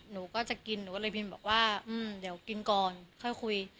หนูก็จะกินหนูก็เลยพิมพ์บอกว่าเดี๋ยวกินก่อนค่อยคุย